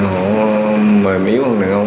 họ mềm yếu hơn đàn ông